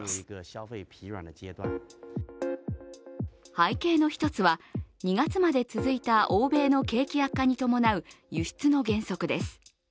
背景の一つは、２月まで続いた欧米の景気悪化に伴う輸出の減速です。